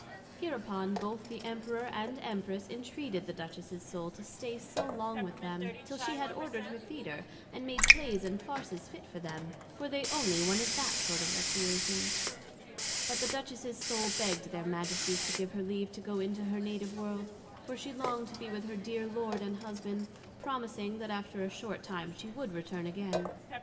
Hereupon both the Emperor and Empress intreated the Duchess's Soul to stay so long with them, till she had ordered her Theatre, and made Playes and Farses fit for them; for they onely wanted that sort of Recreation: but the Duchess's Soul begg'd their Majesties to give her leave to go into her Native World; for she long'd to be with her dear Lord and Husband, promising, that after a short time she would return again.